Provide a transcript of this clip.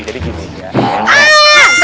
jadi gini ya